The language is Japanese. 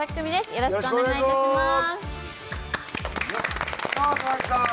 よろしくお願いします！